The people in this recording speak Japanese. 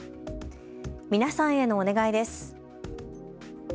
皆さんへのお願いです。